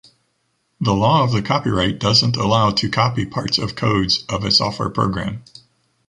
The law of the copyright doesn’t allow to copy parts of codes of a software program.